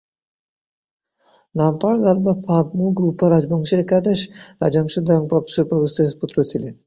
র্নাম-পার-র্গ্যাল-বা ফাগ-মো-গ্রু-পা রাজবংশের একাদশ রাজা ঙ্গাগ-দ্বাং-গ্রাগ্স-পা-র্গ্যাল-ম্ত্শানের পুত্র ছিলেন।